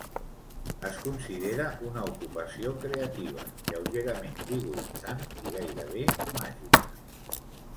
Es considera una ocupació creativa, lleugerament vigoritzant i gairebé màgica.